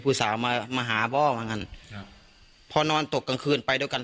สาวมามาหาพ่อเหมือนกันครับพอนอนตกกลางคืนไปด้วยกัน